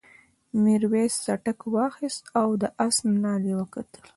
میرويس څټک واخیست او د آس نال یې وکتل.